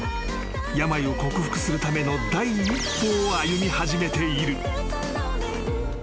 ［病を克服するための第一歩を歩み始めている］